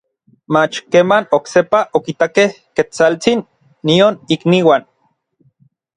mach keman oksepa okitakej Ketsaltsin nion ikniuan.